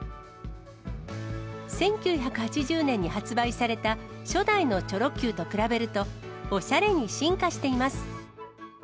１９８０年に発売された初代のチョロＱと比べると、おしゃれに進化しています。